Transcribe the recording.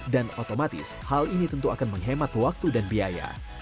dan otomatis hal ini tentu akan menghemat waktu dan biaya